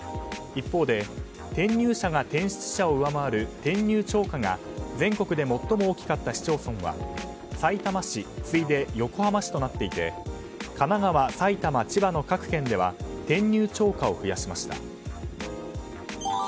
一方で、転入者が転出者を上回る転入超過が全国で最も大きかった市町村はさいたま市次いで横浜市となっていて神奈川、埼玉、千葉の各県では転入超過を増やしました。